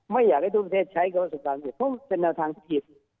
ไม่อยากให้ทุกประเทศใช้คำว่าสงครามเวทศิษย์เพราะเป็นแนวทางผิด